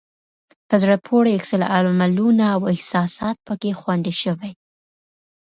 په زړه پورې عکس العملونه او احساسات پکې خوندي شوي.